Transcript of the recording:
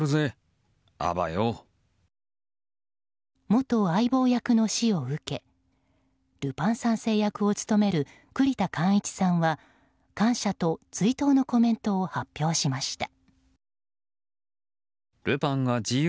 元相棒役の死を受けルパン三世役を務める栗田貫一さんは感謝と追悼のコメントを発表しました。